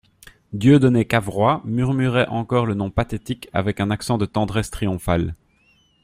Dieudonné Cavrois murmurait encore le nom pathétique avec un accent de tendresse triomphale.